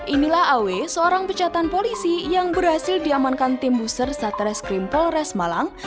inilah aw seorang pecatan polisi yang berhasil diamankan tim buser satreskrim polres malang